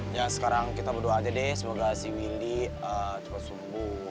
ya sekarang kita berdoa aja deh semoga si windy cepat sembuh